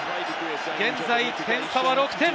現在、点差は６点。